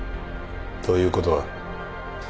ということは？